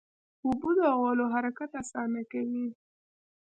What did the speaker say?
اوبه د غولو حرکت اسانه کوي.